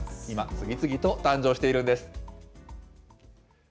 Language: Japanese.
今、次々と誕生しているんです。